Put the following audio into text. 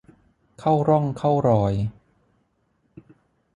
เข้าร่องเข้ารอย